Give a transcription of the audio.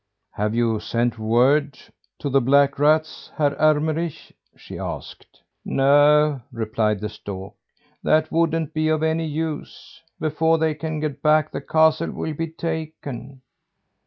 "Have you sent word to the black rats, Herr Ermenrich?" she asked. "No," replied the stork, "that wouldn't be of any use. Before they can get back, the castle will be taken."